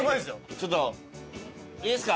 ちょっといいですか？